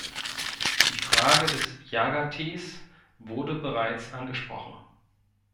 Die Frage des Jagatees wurde bereits angesprochen.